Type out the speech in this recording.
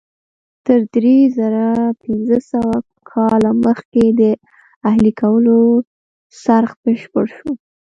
تر درې زره پنځه سوه کاله مخکې د اهلي کولو څرخ بشپړ شو.